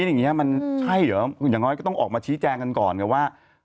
ต้องยอมรับในข้อนี้อย่างน้อยก็ต้องออกมาชี้แจงกันก่อนกันว่า